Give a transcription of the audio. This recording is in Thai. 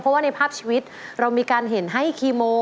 เพราะว่าในภาพชีวิตเรามีการเห็นให้คีโม